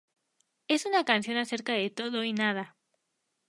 Es una canción acerca de todo y nada.